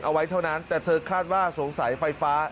เอาไว้เท่านั้นแต่เธอคาดว่าสงสัยไฟฟ้า